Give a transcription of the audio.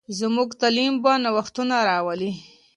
زموږ تعلیم به نوښتونه راولي.